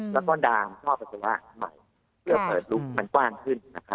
แล้วก็ดามท่อปัสสาวะใหม่เพื่อเปิดลุคมันกว้างขึ้น